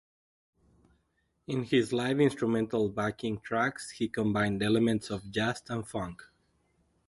In his live instrumental backing tracks he combined elements of jazz and funk.